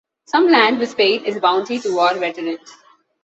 Some land was paid as bounty to war veterans.